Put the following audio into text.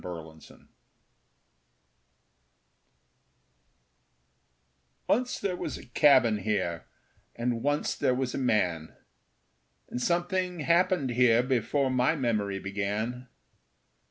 Stafford's Cabin Once there was a cabin here, and once there was a man; And something happened here before my memory began.